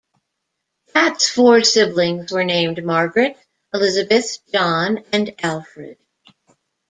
Pat's four siblings were named Margaret, Elizabeth, John and Alfred.